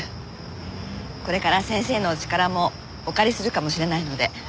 これから先生のお力もお借りするかもしれないので。